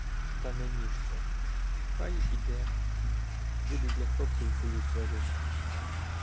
— Та мені що! Хай іде — буде для хлопців куліш варити.